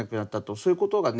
そういうことがね